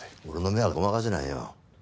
俺の目はごまかせないよ。